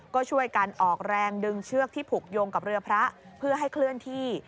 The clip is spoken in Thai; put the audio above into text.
ก็ช่วยกันออกแรงดึงเชือกที่ผูกโยงกับเรือพระเพื่อให้เคลื่อนที่